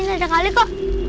enak banget juga